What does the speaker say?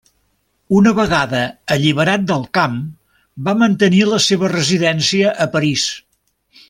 Una vegada alliberat del camp, va mantenir la seva residència a París.